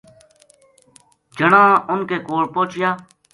جنا اُنھ کے کول پوہچیا